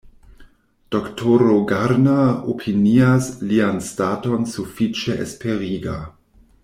Doktoro Garner opinias lian staton sufiĉe esperiga.